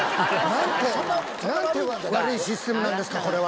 何て悪いシステムなんですかこれは。